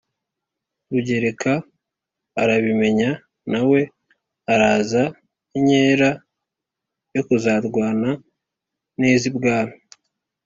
rugereka arabimenya, na we araza inkera yo kuzarwana n' iz' ibwami.